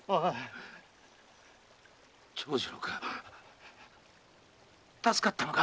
長次郎か助かったのか？